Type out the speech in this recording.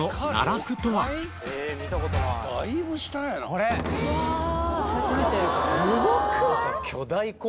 これすごくない？